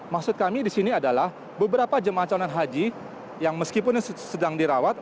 maksud kami di sini adalah beberapa jemaah calon haji yang meskipun sedang dirawat